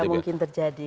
tidak mungkin terjadi